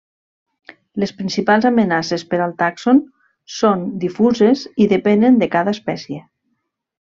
Les principals amenaces per al tàxon són difuses i depenen de cada espècie.